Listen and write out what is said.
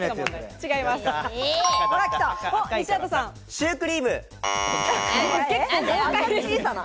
シュークリーム。